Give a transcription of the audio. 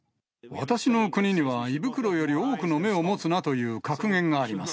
私の国には胃袋より多くの目を持つなという格言があります。